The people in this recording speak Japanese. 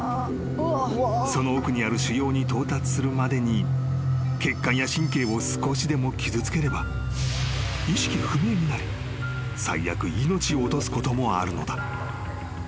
［その奥にある腫瘍に到達するまでに血管や神経を少しでも傷つければ意識不明になり最悪命を落とすこともあるのだ］